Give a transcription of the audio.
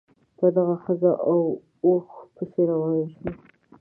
په دغه ښځه او اوښ پسې روان شو.